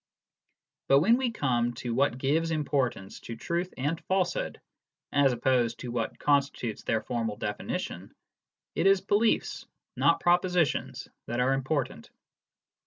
But when we come to what gives importance to truth and falsehood, as opposed to what constitutes their formal definition, it is beliefs, not propositions, that are important.